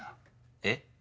えっ？